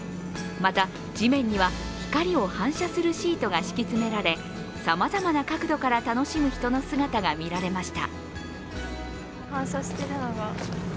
また地面には光を反射するシートが敷き詰められさまざまな角度から楽しむ人の姿が見られました。